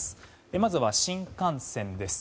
まずは新幹線です。